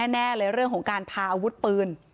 แน่เลยเรื่องของการพาอาวุธปืน